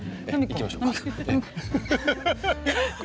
行きましょうか。